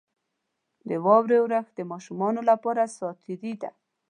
• د واورې اورښت د ماشومانو لپاره ساتیري ده.